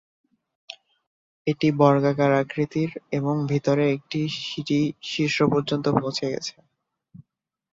এটি বর্গাকার আকৃতির এবং ভিতরে একটি সিঁড়ি শীর্ষ পর্যন্ত পৌঁছে গেছে।